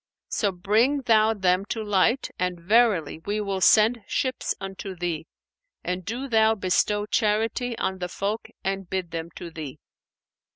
So bring thou them to light; and verily, we will send ships unto thee; and do thou bestow charity on the folk and bid them to thee."